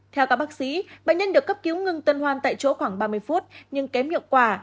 theo các bác sĩ bệnh nhân được cấp cứu ngừng tân hoan tại chỗ khoảng ba mươi phút nhưng kém hiệu quả